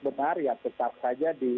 benar ya tetap saja di